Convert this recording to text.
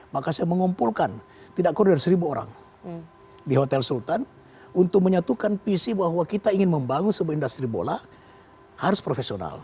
maka saya mengumpulkan tidak kurang dari seribu orang di hotel sultan untuk menyatukan visi bahwa kita ingin membangun sebuah industri bola harus profesional